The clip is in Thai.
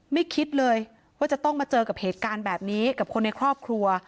คิดเลยว่าจะต้องมาเจอกับเหตุการณ์แบบนี้กับคนในครอบครัว